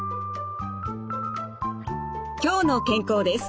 「きょうの健康」です。